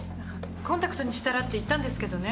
コンタクトにしたらって言ったんですけどね